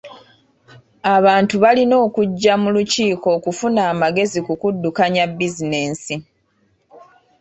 Abantu balina okujja mu lukiiko okufuna amagezi ku kuddukanya bizinensi.